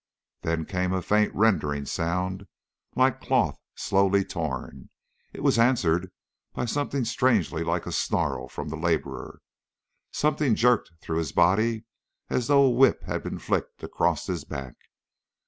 Then came a faint rending sound, like cloth slowly torn. It was answered by something strangely like a snarl from the laborer. Something jerked through his body as though a whip had been flicked across his back.